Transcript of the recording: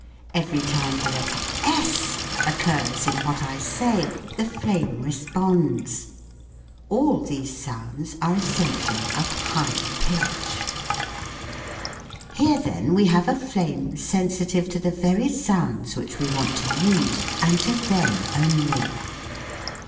Every time the letter " s " occurs in what I say the flame responds. All these sounds are essentially of high pitch. Here then we have FlG. 12. The Sensitive Flame. WHAT IS SOUND? a flame sensitive to the very sounds which we want to use, and to them only.